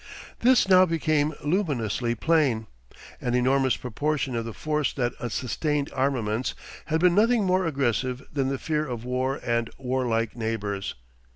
This now became luminously plain. An enormous proportion of the force that sustained armaments had been nothing more aggressive than the fear of war and warlike neighbours.